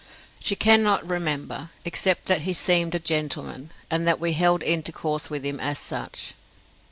"She cannot remember, except that he seemed a gentleman, and that we held intercourse with him as such.